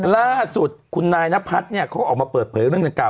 ล่าสุดคุณนายนพัฒน์เนี่ยเขาออกมาเปิดเผยเรื่องดังกล่า